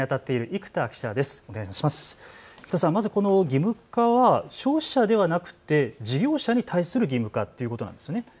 生田さん、まずは義務化は消費者ではなくて事業者に対する義務化ということなんですね。